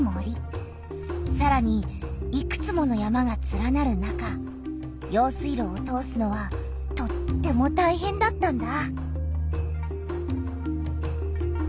さらにいくつもの山がつらなる中用水路を通すのはとってもたいへんだったんだ。